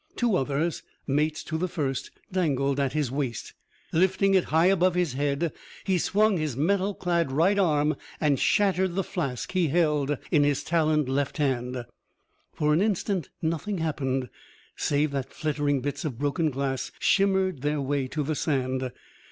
Two others, mates to the first, dangled at his waist. Lifting it high above his head, he swung his metal clad right arm, and shattered the flask he held in his taloned left hand. For an instant nothing happened, save that flittering bits of broken glass shimmered their way to the sand.